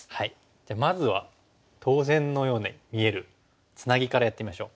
じゃあまずは当然のように見えるツナギからやってみましょう。